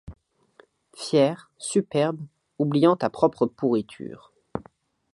Fier, superbe, oubliant ta propre pourriture ;